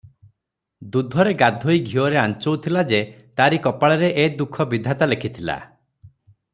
ଦୁଧରେ ଗୋଧୋଇ ଘିଅରେ ଆଞ୍ଚୋଉ ଥିଲା ଯେ, ତାରି କପାଳରେ ଏ ଦୁଃଖ ବିଧାତା ଲେଖିଥିଲା!